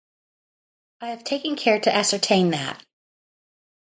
I have taken care to ascertain that.